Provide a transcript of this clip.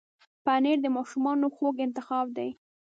پنېر د ماشومانو خوږ انتخاب دی.